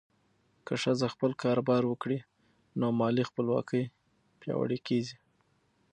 که ښځه خپل کاروبار وکړي، نو مالي خپلواکي پیاوړې کېږي.